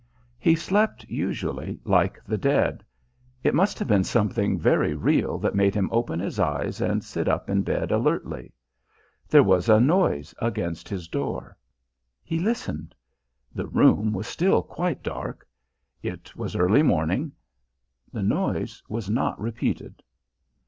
He slept usually like the dead. It must have been something very real that made him open his eyes and sit up in bed alertly. There was a noise against his door. He listened. The room was still quite dark. It was early morning. The noise was not repeated.